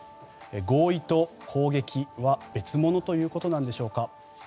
合意と攻撃は別物ということなんでしょうか。